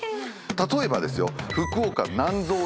例えばですよ。